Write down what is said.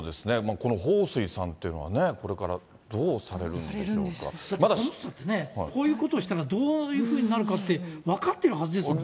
この彭帥さんというのはね、これからどうされるその人ってね、こういうことをしたら、どういうふうになるかって分かってるはずですもんね。